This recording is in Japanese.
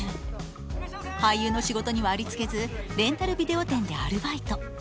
俳優の仕事にはありつけずレンタルビデオ店でアルバイト。